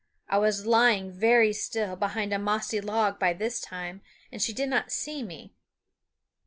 I was lying very still behind a mossy log by this time, and she did not see me.